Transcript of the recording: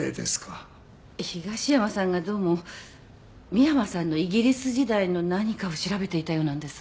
東山さんがどうも三山さんのイギリス時代の何かを調べていたようなんです。